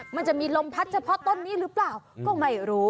มันจะมีลมพัดเฉพาะต้นนี้หรือเปล่าก็ไม่รู้